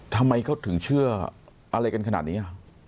ทำไมเขาถึงเชื่ออะไรกันขนาดนี้